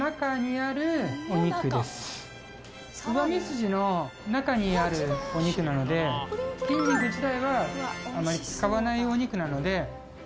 すじの中にあるお肉なので筋肉自体はあまり使わないお肉なので。